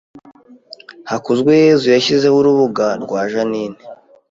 Hakuzweyezu yashyizeho urubuga rwa Jeaninne